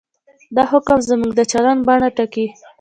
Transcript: دا حکم زموږ د چلند بڼه ټاکي.